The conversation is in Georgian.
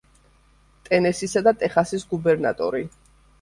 ტენესისა და ტეხასის გუბერნატორი.